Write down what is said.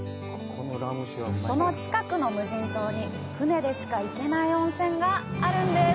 その近くの無人島に船でしか行けない温泉があるんです。